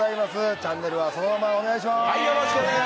チャンネルはそのままでお願いします。